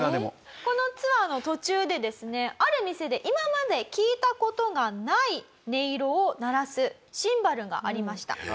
このツアーの途中でですねある店で今まで聞いた事がない音色を鳴らすシンバルがありました。